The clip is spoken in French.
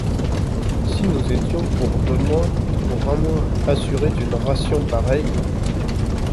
Si nous étions pour deux mois, pour un mois, assurés d’une ration pareille!